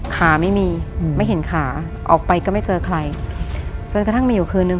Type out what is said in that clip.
ขาไม่มีไม่เห็นขาออกไปก็ไม่เจอใครจนกระทั่งมีอยู่คืนนึง